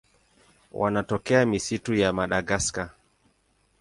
Wanatokea misitu ya Madagaska.